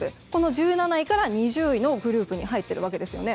１７位から２０位のグループに入っているわけですよね。